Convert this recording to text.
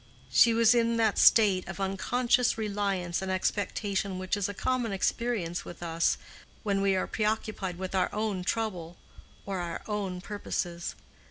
She was in that state of unconscious reliance and expectation which is a common experience with us when we are preoccupied with our own trouble or our own purposes.